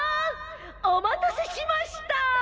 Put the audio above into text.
おまたせしました！